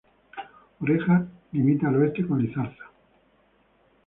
Oreja limita al oeste con Lizarza.